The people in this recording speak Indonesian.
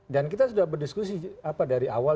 dan kita sudah berdiskusi apa dari awal